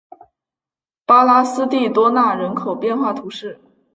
拉巴斯蒂多纳人口变化图示